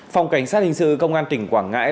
phòng cảnh sát hình sự công an tỉnh quảng ngãi